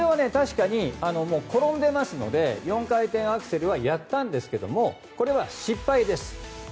確かに転んでいますので４回転アクセルはやったんですがこれは失敗です。